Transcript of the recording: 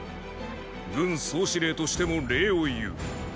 軍総司令としても礼を言う。